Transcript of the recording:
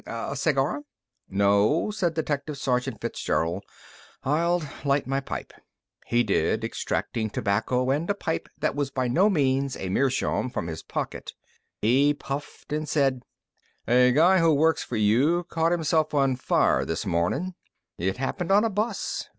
"Hm m m. A cigar?" "No," said Detective Sergeant Fitzgerald. "I'll light my pipe." He did, extracting tobacco and a pipe that was by no means a meerschaum from his pocket. He puffed and said: "A guy who works for you caught himself on fire this mornin'. It happened on a bus.